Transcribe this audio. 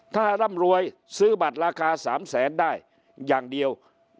ถ้าร่ำรวยซื้อบัตรราคา๓แสนได้อย่างเดียว